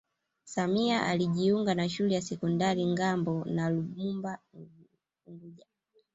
Samia alijiunga na shule ya sekondari Ngambo na Lumumba unguja